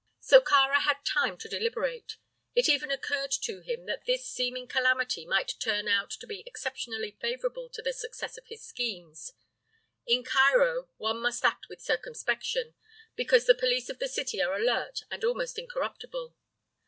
So Kāra had time to be deliberate. It even occurred to him that this seeming calamity might turn out to be exceptionally favorable to the success of his schemes. In Cairo one must act with circumspection, because the police of the city are alert and almost incorruptible.